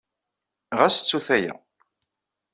Ɣas ttut aya.